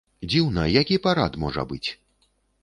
Дзіўна, які парад можа быць?